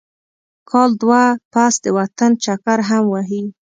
کال دوه پس د وطن چکر هم وهي.